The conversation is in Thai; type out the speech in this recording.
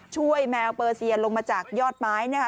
ช่วยแมวเปอร์เซียลงมาจากยอดไม้นะฮะ